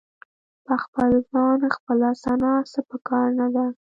په خپل ځان خپله ثنا څه په کار نه ده.